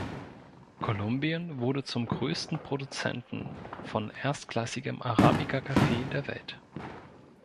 Kolumbien wurde zum größten Produzenten von erstklassigem Arabica-Kaffee der Welt.